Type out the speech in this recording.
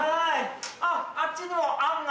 あっあっちにもあんが。